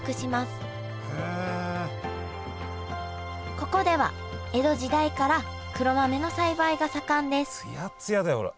ここでは江戸時代から黒豆の栽培が盛んですツヤツヤだよほら。